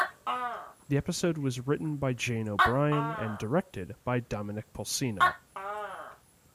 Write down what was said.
The episode was written by Jane O'Brien and directed by Dominic Polcino.